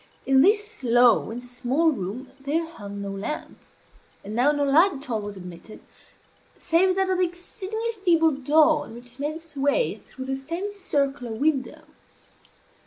In this low and small room there hung no lamp; and now no light at all was admitted, save that of the exceedingly feeble dawn which made its way through the semicircular window.